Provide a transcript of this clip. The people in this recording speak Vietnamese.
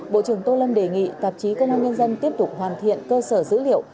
bộ trưởng tô lâm đề nghị tạp chí công an nhân dân tiếp tục hoàn thiện cơ sở dữ liệu